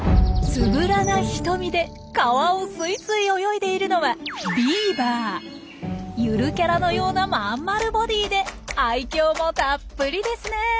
つぶらな瞳で川をスイスイ泳いでいるのはゆるキャラのような真ん丸ボディーで愛きょうもたっぷりですね。